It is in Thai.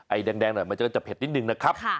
แดงหน่อยมันจะเผ็ดนิดนึงนะครับ